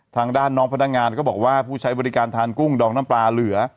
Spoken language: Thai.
ทางด้านน้องพนักงานก็บอกว่าผู้ใช้บริการทานกุ้งดองน้ำปลาเหลือ